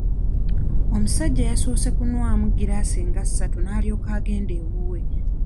Omusajja yasoose kunywaamu giraasi nga ssatu n'alyoka agenda ewuwe.